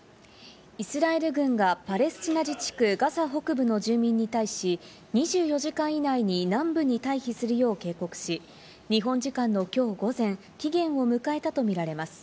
イスラエル軍がパレスチナ自治区ガザ北部の住民に対し、２４時間以内に南部に退避するよう警告し、日本時間のきょう午前、期限を迎えたと見られます。